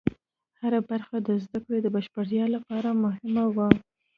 هره برخه د زده کړې د بشپړتیا لپاره مهمه وه.